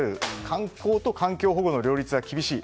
観光と環境保護の両立は厳しい。